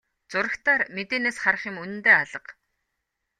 Зурагтаар мэдээнээс харах юм үнэндээ алга.